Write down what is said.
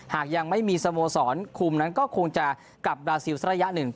หากยังไม่มีสโมสรคุมนั้นก็คงจะกลับบราซิลสักระยะหนึ่ง